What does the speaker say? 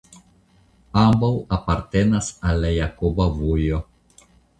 Ambaŭ apartenas al la Jakoba Vojo.